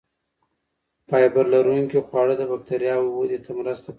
فایبر لرونکي خواړه د بکتریاوو ودې ته مرسته کوي.